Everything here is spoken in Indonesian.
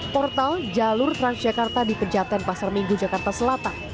portal jalur transjakarta di pejaten pasar minggu jakarta selatan